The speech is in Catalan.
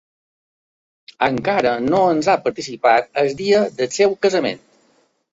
Encara no ens ha participat el dia del seu casament.